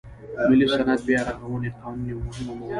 ملي صنعت بیا رغونې قانون یوه مهمه موضوع وه.